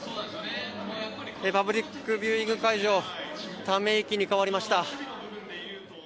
パブリックビューイング会場ため息に変わりました。